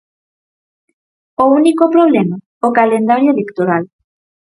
O único problema, o calendario electoral.